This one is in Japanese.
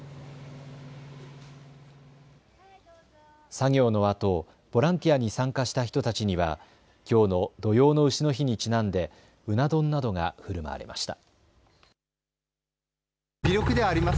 作業のあとボランティアに参加した人たちにはきょうの土用のうしの日にちなんでうな丼などがふるまわれました。